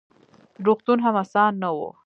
روغتون هم اسان نه و: